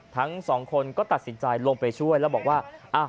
ทั้งสองคนก็ตัดสินใจลงไปช่วยแล้วบอกว่า